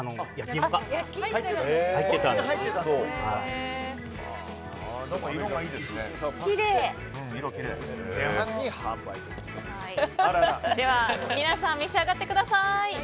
きれい！では皆さん召し上がってください。